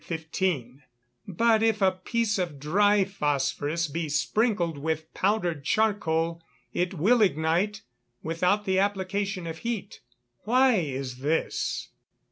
_But if a piece of dry phosphorous be sprinkled with powdered charcoal it will ignite, without the application of heat. Why is this?